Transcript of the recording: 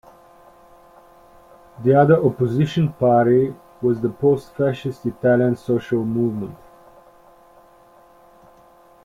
The other opposition party was the post-fascist Italian Social Movement.